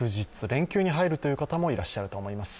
連休に入るという方もいらっしゃると思います。